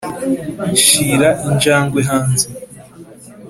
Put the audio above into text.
shira injangwe hanze